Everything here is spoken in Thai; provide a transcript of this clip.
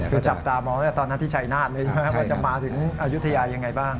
คือจับตามตอนนั้นที่ใช่งานว่าจะมาถึงอยุธยายังไงบ้าง